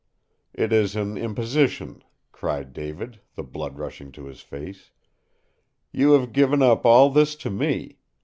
"It is an imposition," cried David, the blood rushing to his face. "You have given up all this to me!